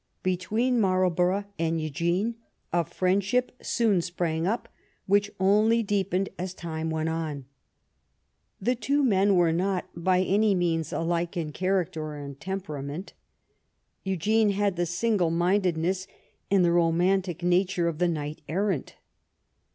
Between Marlbor ough and Eugene a friendship soon sprang up which only deepened as time went on. The two men were not, by any means, alike in character or in tempera ment. Eugene had the single mindedness and the ro mantic nature of the knight errant.